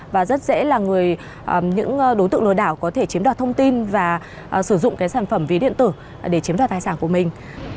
và rất dễ là những đối tượng lừa đảo có thể chiếm đoạt thông tin và sử dụng sản phẩm ví điện tử để chiếm đoạt tài sản của mình